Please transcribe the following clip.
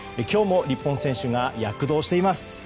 今日も日本選手が躍動しています。